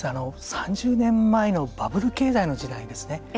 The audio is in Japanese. ３０年前のバブル経済の時代ですね。